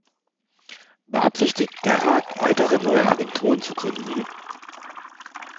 Beabsichtigt der Rat, weitere neue Agenturen zu gründen?